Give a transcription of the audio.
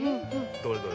どれどれ？